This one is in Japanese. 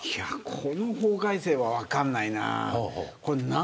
この法改正は分かんないな。